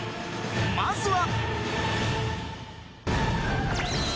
［まずは］